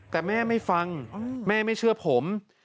แต่แม่ไม่ฟังแม่ไม่เชื่อผม